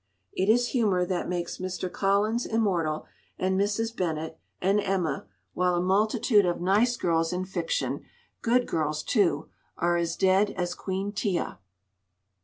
It is humour that makes Mr. Collins immortal, and Mrs. Bennett, and Emma; while a multitude of nice girls in fiction, good girls too, are as dead as Queen Tiah.